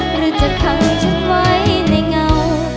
หรือจะขังฉันไว้ในเงา